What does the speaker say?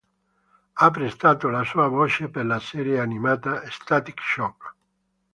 Ha prestato la sua voce per la serie animata "Static Shock".